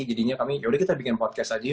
jadinya kami yaudah kita bikin podcast aja